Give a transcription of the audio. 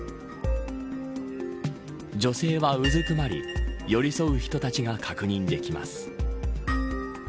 女性はうずくまり寄り添う人たちが確認できます。